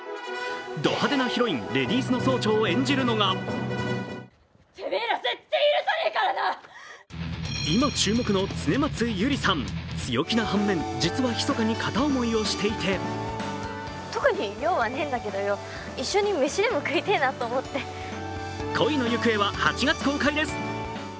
ど派手なヒロインレディースの総長を演じるのが今、注目の恒松祐里さん、強気な反面、実は密かに片思いをしていて恋の行方は８月公開です。